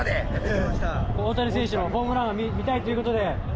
大谷選手のホームラン見たいということで。